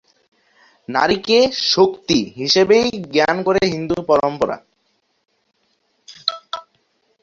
নারীকে ‘শক্তি’ হিসেবেই জ্ঞান করে হিন্দু পরম্পরা।